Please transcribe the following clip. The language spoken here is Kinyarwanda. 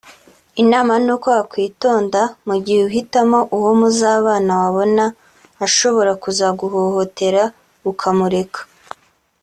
inama nuko wakwitonda mu gihe uhitamo uwo muzabana wabona ashobora kuzaguhohotera ukamureka